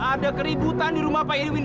ada keributan di rumah pak irwin